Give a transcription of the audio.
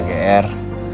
masa ke r